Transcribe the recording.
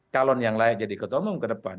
calon yang layak jadi ketua umum ke depan